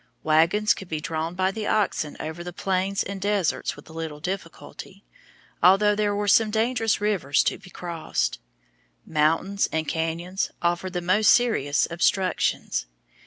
Wagons could be drawn by the oxen over the plains and deserts with little difficulty, although there were some dangerous rivers to be crossed. Mountains and cañons offered the most serious obstructions.